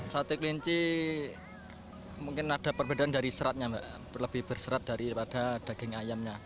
sate kelinci mungkin ada perbedaan dari seratnya lebih berserat daripada daging ayamnya